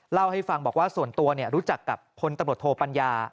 เล่าให้ฟังบอกว่าส่วนตัวรู้จักกับพลตำรวจโทปัญญา